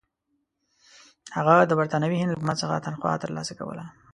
هغه د برټانوي هند له حکومت څخه تنخوا ترلاسه کوله.